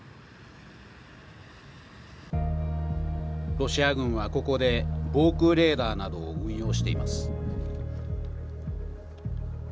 ロシア軍はここで、防空レーダーなどを運用しています。